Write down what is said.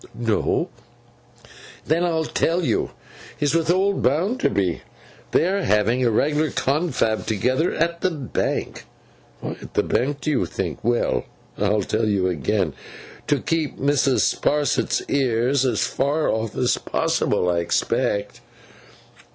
'No.' 'Then I'll tell you. He's with old Bounderby. They are having a regular confab together up at the Bank. Why at the Bank, do you think? Well, I'll tell you again. To keep Mrs. Sparsit's ears as far off as possible, I expect.